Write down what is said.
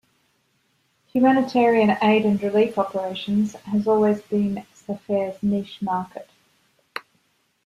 Humanitarian Aid and Relief operations has always been Safair's "niche" market.